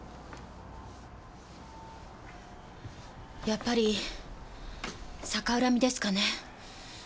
やっぱり逆恨みですかね？